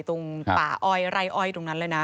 ตรงป่าอ้อยไร่อ้อยตรงนั้นเลยนะ